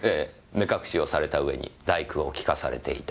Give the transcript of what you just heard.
目隠しをされた上に『第九』を聴かされていた。